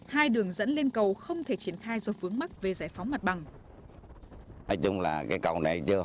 hai đường dẫn lên cầu không thể triển khai do vướng mắc về giải phóng mặt bằng